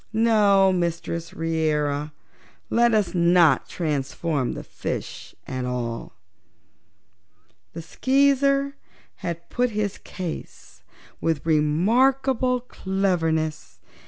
No, Mistress Reera, let us not transform the fishes at all." The Skeezer had put his case with remarkable cleverness.